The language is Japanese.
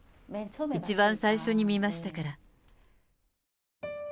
一番最初に見ましたから。